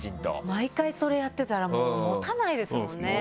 毎回それやってたらもう持たないですもんね。